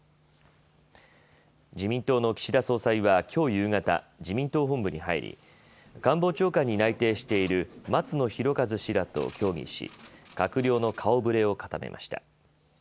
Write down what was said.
自民党の岸田総裁はきょう夕方、自民党本部に入り官房長官に内定している松野博一氏らと協議し閣僚の顔ぶれを固めました。